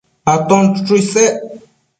Aton chuchu isec